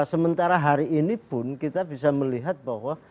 sementara hari ini pun kita bisa melihat bahwa